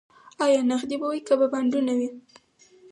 ایا نغدې به وي او که به بانډونه وي